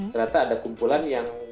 ternyata ada kumpulan yang